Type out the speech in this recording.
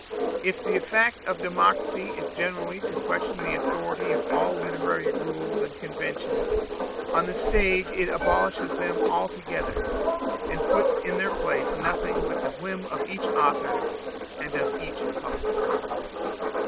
If the effect of democracy is generally to question the authority of all literary rules and conventions, on the stage it abolishes them altogether, and puts in their place nothing but the whim of each author and of each public.